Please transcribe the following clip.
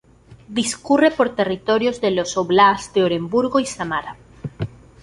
Discurre por territorio de los "óblasts" de Oremburgo y Samara.